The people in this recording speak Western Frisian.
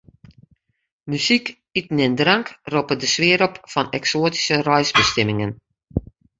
Muzyk, iten en drank roppe de sfear op fan eksoatyske reisbestimmingen.